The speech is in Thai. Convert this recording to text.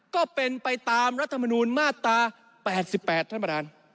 ก็เป็นไปตามรัฐมนูลมาตรา๘๘ท่านประธาน